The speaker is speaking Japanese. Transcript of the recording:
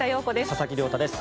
佐々木亮太です。